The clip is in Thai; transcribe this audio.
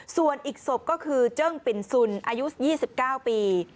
ส่วนอีกศพก็คือเจิ้งปิ่นสุนอายุ๒๙ปี